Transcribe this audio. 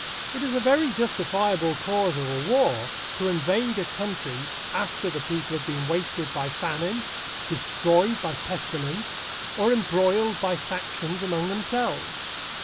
It is a very justifiable cause of a war to invade a country after the people have been wasted by famine, destroyed by pestilence or embroiled by factions among themselves.